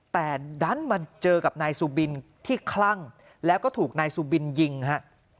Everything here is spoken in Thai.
แต่ดันมาเจอกับนายสุบินที่คลั่งแล้วก็ถูกนายสุบินยิงฮะ